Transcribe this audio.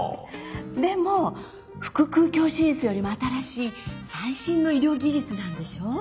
でも腹腔鏡手術よりも新しい最新の医療技術なんでしょ。